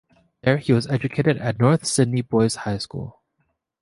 There, he was educated at North Sydney Boys' High School.